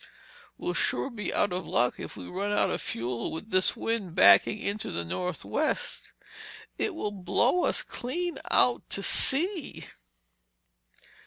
"We'll sure be out of luck if we run out of fuel with this wind backing into the northwest. It will blow us clean out to sea!"